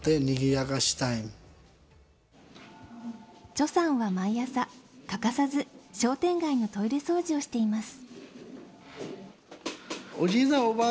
チョさんは毎朝、欠かさず、商店街のトイレ掃除をしています。